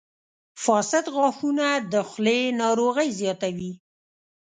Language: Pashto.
• فاسد غاښونه د خولې ناروغۍ زیاتوي.